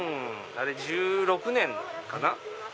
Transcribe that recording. ２０１６年かな。